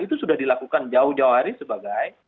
itu sudah dilakukan jauh jauh hari sebagai